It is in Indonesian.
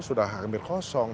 sudah hampir kosong